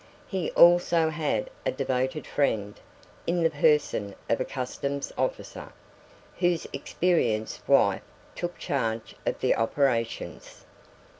He also had a devoted friend, in the person of a Customs officer, whose experienced wife took charge of the operations.